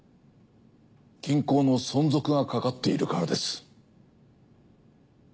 銀行の存続がかかっているからです。